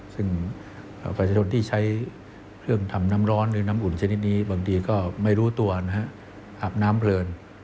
ซึ่งประชาชนที่ใช้เครื่องทำน้ำร้อนหรือน้ำอุ่นชนิดนี้บางทีก็ไม่รู้ตัวนะฮะอาบน้ำเพลิน